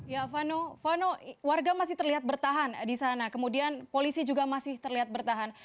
ya vano warga masih terlihat bertahan di sana kemudian polisi juga masih terlihat bertahan